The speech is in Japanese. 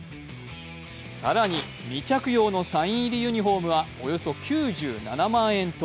更に、未着用のサイン入りユニフォームはおよそ９７万円と